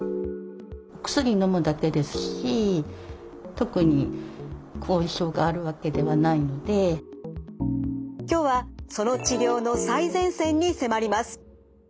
特に今日はその治療の最前線に迫ります。